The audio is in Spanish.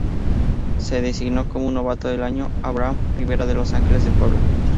Se designó como novato del año a Abraham Rivera de los Ángeles de Puebla.